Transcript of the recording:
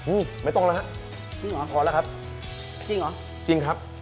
อืมไม่ตรงแล้วฮะจริงเหรอพอแล้วครับจริงเหรอจริงครับ